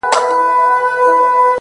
لـه ژړا دي خداى را وساته جانـانـه،